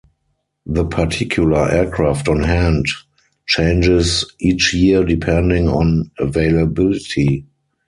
The particular aircraft on hand changes each year depending on availability.